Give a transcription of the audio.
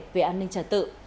về an ninh trả tự